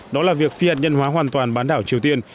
đó là việc phi hạt nhân hóa hoàn toàn bán đảo triều tiên